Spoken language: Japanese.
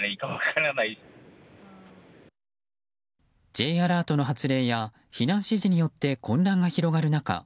Ｊアラートの発令や避難指示によって混乱が広がる中